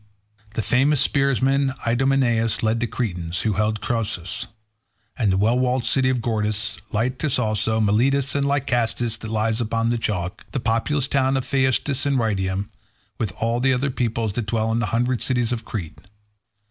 The famous spearsman Idomeneus led the Cretans, who held Cnossus, and the well walled city of Gortys; Lyctus also, Miletus and Lycastus that lies upon the chalk; the populous towns of Phaestus and Rhytium, with the other peoples that dwelt in the hundred cities of Crete.